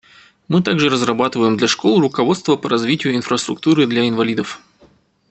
Мы также разрабатываем для школ руководство по развитию инфраструктуры для инвалидов.